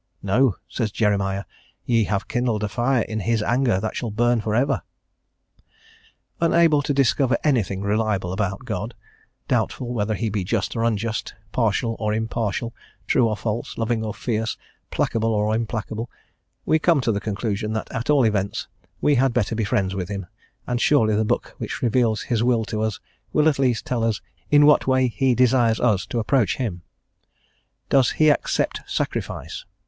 "No," says Jeremiah. "Ye have kindled a fire in His anger that shall burn for ever." Unable to discover anything reliable about God, doubtful whether he be just or unjust, partial or impartial, true or false, loving or fierce, placable or implacable, we come to the conclusion that at all events we had better be friends with Him, and surely the book which reveals His will to us will at least tell us in what way He desires us to approach Him. Does He accept sacrifice?